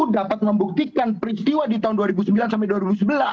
dapat membuktikan peristiwa di tahun dua ribu sembilan sampai dua ribu sebelas